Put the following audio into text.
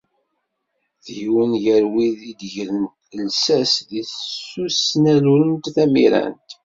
D yiwen gar wid i d-igren llsas i tusnallunt tamirant.